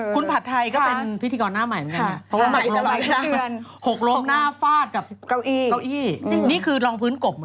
คุณผัดไทยก็เป็นพิธีกรหน้าใหม่เหมือนกันเนี่ยนะครับหกโรมหน้าฟาดกับเก้าอี้นี่คือรองพื้นกลมเลยนะ